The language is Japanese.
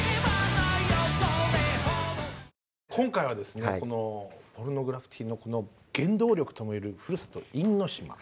今回はですねポルノグラフィティのこの原動力とも言えるふるさと因島。